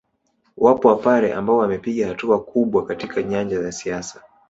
Wapo wapare ambao wamepiga hatua kubwa katika nyanja ya siasa